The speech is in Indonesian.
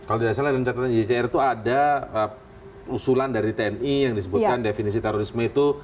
kalau tidak salah dalam catatan jcr itu ada usulan dari tni yang disebutkan definisi terorisme itu